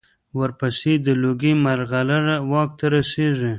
ورپسې د لوګي مرغلره واک ته رسېږي.